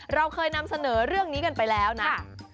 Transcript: เราเคยนำเสนอเรื่องนี้กันไปแล้วนะ